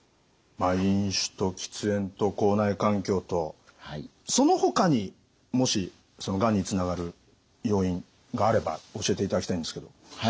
飲酒と喫煙と口内環境とそのほかにもしがんにつながる要因があれば教えていただきたいんですけど。